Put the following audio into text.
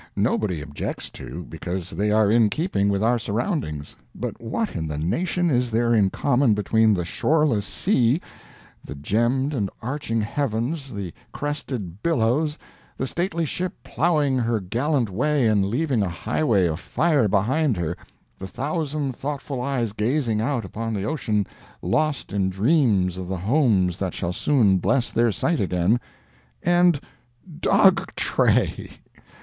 nobody objects to, because they are in keeping with our surroundings—but what in the nation is there in common between the shoreless sea, the gemmed and arching heavens, the crested billows, the stately ship ploughing her gallant way and leaving a highway of fire behind her, the thousand thoughtful eyes gazing out upon the ocean, lost in dreams of the homes that shall soon bless their sight again—and Dog Tray!